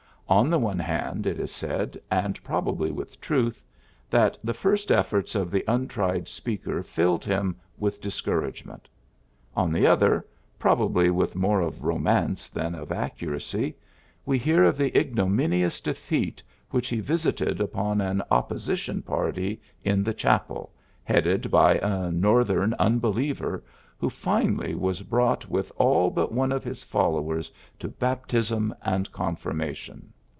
On the one hand, it is said, and probably with truth, that the first efforts of the untried speaker filled him with discour agement. On the other, probably with more of romance than of accuracy, we hear of the ignominious defeat which he visited upon an ^' opj^osition party" in the chapel, headed by a Northern unbe liever, who finally was brought with all but one of his followers to baptism and confirmation.